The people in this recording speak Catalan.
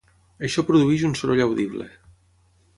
Això produeix un soroll audible.